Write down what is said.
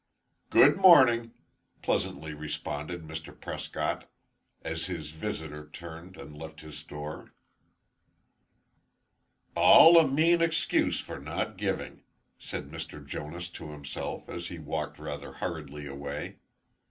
"Good morning," pleasantly responded Mr. Prescott, as his visitor turned and left his store. "All a mean excuse for not giving," said Mr. Jonas, to himself, as he walked rather hurriedly away.